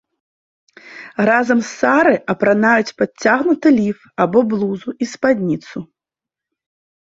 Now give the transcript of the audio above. Разам з сары апранаюць падцягнуты ліф або блузу і спадніцу.